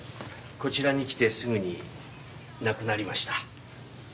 こちらに来てすぐに亡くなりました。